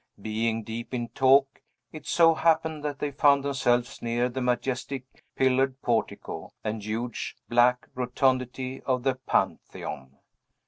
Being deep in talk, it so happened that they found themselves near the majestic, pillared portico, and huge, black rotundity of the Pantheon.